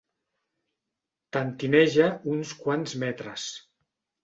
Tentineja uns quants metres.